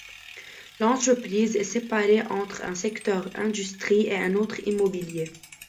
L'entreprise est séparée entre un secteur Industrie et un autre Immobilier.